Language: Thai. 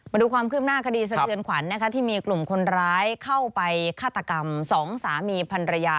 มาดูความคืบหน้าคดีสะเทือนขวัญนะคะที่มีกลุ่มคนร้ายเข้าไปฆาตกรรมสองสามีพันรยา